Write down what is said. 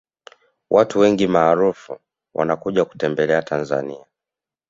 watu wengi maarufu wanakuja kutembea tanzania